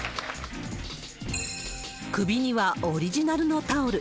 首にはオリジナルのタオル。